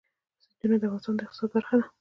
سیندونه د افغانستان د اقتصاد برخه ده.